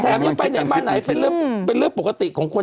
แถ่วงไปในบ้านไหนเป็นเลือดเป็นเลือดปกติของคน